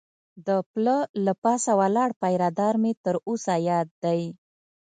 د پله له پاسه ولاړ پیره دار مې تر اوسه یاد دی.